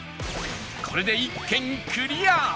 これで１軒クリア！